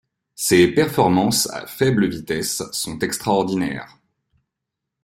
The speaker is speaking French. Ses performances à faible vitesse sont extraordinaires.